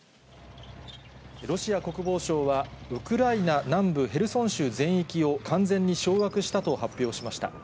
ロシア国防省は、ウクライナ南部ヘルソン州全域を完全に掌握したと発表しました。